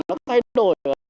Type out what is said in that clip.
nó thay đổi